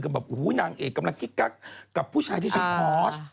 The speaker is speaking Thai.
ว่าโหนางเอกกำลังคลิ๊กกับผู้ชายที่ใช้พอร์ด